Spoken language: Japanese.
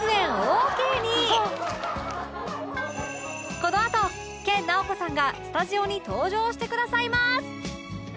このあと研ナオコさんがスタジオに登場してくださいます